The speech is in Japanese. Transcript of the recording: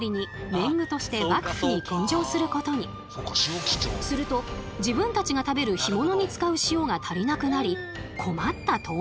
すると自分たちが食べる干物に使う塩が足りなくなり困った島民たち。